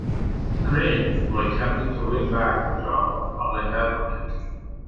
Green, who attempted to win back the job of Public Advocate.